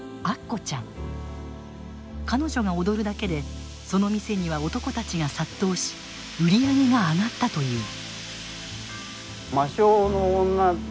彼女が踊るだけでその店には男たちが殺到し売り上げが上がったという。